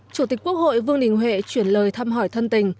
chủ tịch quốc hội vương đình huệ chuyển lời thăm hỏi thân tình